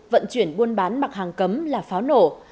vận chuyển buôn bán mặc hàng cấm là pháo nổ